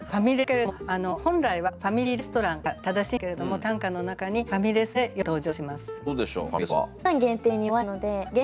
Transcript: だけれども本来は「ファミリーレストラン」が正しいんですけれども短歌の中に「ファミレス」でよく登場します。